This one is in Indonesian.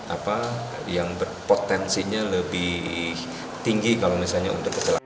apa yang berpotensinya lebih tinggi kalau misalnya untuk kecelakaan